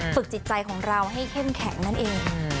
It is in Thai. ฝึกจิตใจของเราให้เข้มแข็งนั่นเอง